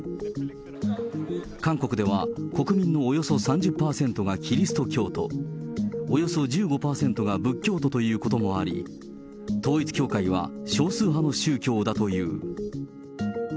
韓国では国民のおよそ３０％がキリスト教と、およそ１５％が仏教徒ということもあり、統一教会は少数派の宗教だという。